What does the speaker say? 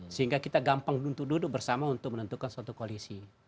sehingga kita gampang untuk duduk bersama untuk menentukan suatu koalisi